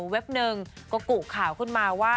หนึ่งก็กุข่าวขึ้นมาว่า